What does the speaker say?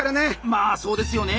まあそうですよね。